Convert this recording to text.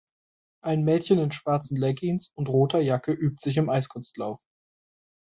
Ein Mädchen in schwarzen Leggings und roter Jacke übt sich im Eiskunstlauf.